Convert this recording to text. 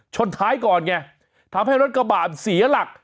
ชนท้ายก่อนไงทำให้รถกระบาดเสียหลัก